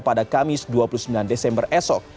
pada kamis dua puluh sembilan desember esok